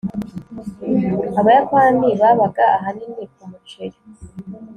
abayapani babaga ahanini kumuceri